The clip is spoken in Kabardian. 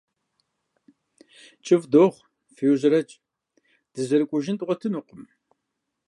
КӀыфӀ дохъу, феужьрэкӏ, дызэрыкӏуэжын дгъуэтынукъым.